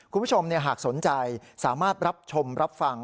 คุณผู้ชมหากสนใจสามารถรับชมรับฟัง